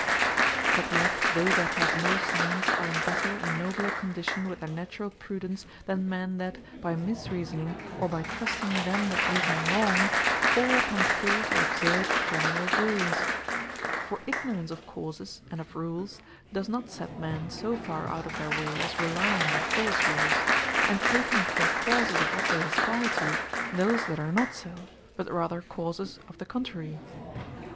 But yet they that have no Science, are in better, and nobler condition with their naturall Prudence; than men, that by mis reasoning, or by trusting them that reason wrong, fall upon false and absurd generall rules. For ignorance of causes, and of rules, does not set men so farre out of their way, as relying on false rules, and taking for causes of what they aspire to, those that are not so, but rather causes of the contrary.